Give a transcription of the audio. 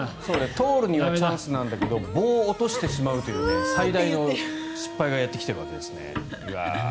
通るにはチャンスなんだけど棒を落としてしまうという最大の失敗がやってきているわけですね。